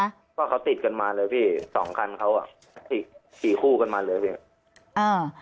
ว่าเขาติดกันมาเลยพี่๒คันเขาอ่ะติดกันมาเลยพี่